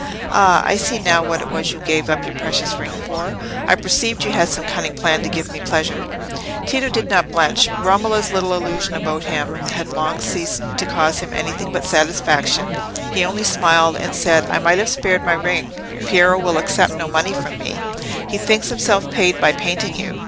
"Ah! I see now what it was you gave up your precious ring for. I perceived you had some cunning plan to give me pleasure." Tito did not blench. Romola's little illusions about himself had long ceased to cause him anything but satisfaction. He only smiled and said— "I might have spared my ring; Piero will accept no money from me; he thinks himself paid by painting you.